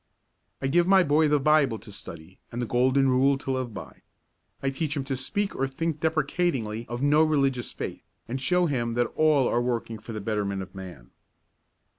I give my boy the Bible to study and the Golden Rule to live by. I teach him to speak or think deprecatingly of no religious faith, and show him that all are working for the betterment of man.